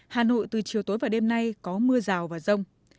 hà nội từ chiều tối và đêm nay có mưa rào và rông